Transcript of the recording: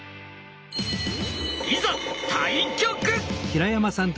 いざ対局！